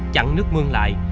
chẳng nước mương lại